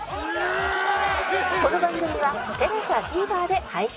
この番組は ＴＥＬＡＳＡＴＶｅｒ で配信